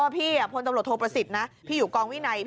พี่พลตำรวจโทประสิทธิ์นะ